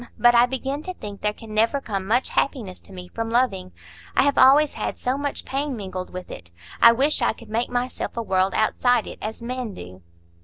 But I begin to think there can never come much happiness to me from loving; I have always had so much pain mingled with it. I wish I could make myself a world outside it, as men do."